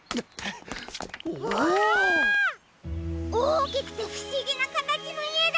おおきくてふしぎなかたちのいえだ！